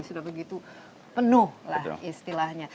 sudah begitu penuh lah istilahnya